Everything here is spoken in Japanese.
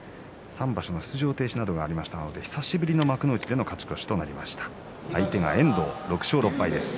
３場所の出場停止などもありましたので久しぶりの幕内の勝ち越しです。